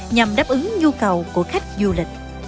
nhằm đáp ứng nhu cầu của khách du lịch